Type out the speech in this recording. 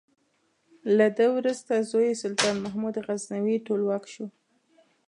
له ده وروسته زوی یې سلطان محمود غزنوي ټولواک شو.